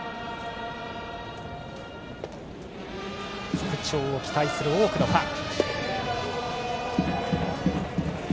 復調を期待する多くのファン。